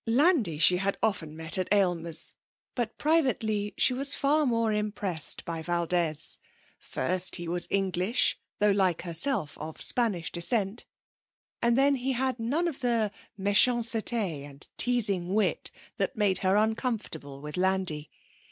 Landi she had often met at Aylmer's, but, privately, she was far more impressed by Valdez; first, he was English, though, like herself, of Spanish descent, and then he had none of the méchanceté and teasing wit that made her uncomfortable with Landi.